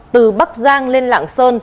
từ bắc giang lên lạng sơn